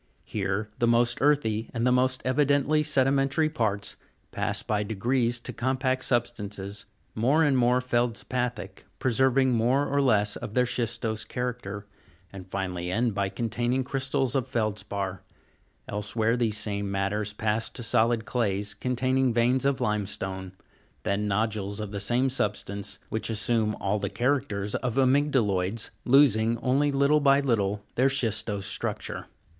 Here the most earthy, and the most evidently sedimentary parts, pass by degrees to compact substances, more and more fcldspathic, preserv ing more or less of their schistose character, and finally end by containing crystals of feldspar ; elsewhere these same matters pass to solid clays, con taining veins of limestone, then nodules of the same substance, which as sume all the characters of amygdaloids, losing, only little by little, their schistose structure.